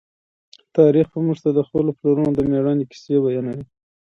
تاریخ موږ ته د خپلو پلرونو د مېړانې کیسې بیانوي.